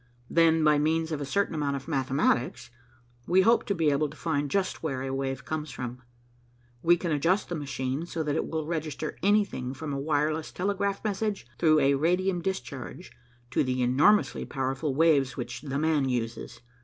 Then, by means of a certain amount of mathematics, we hope to be able to find just where a wave comes from. We can adjust the machine so that it will register anything from a wireless telegraph message through a radium discharge to the enormously powerful waves which 'the man' uses.